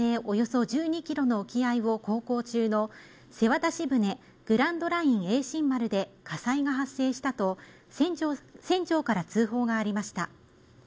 およそ１２キロの沖合を航行中の瀬渡し船「グランドライン栄真丸」で火災が発生したと船長から通報がありました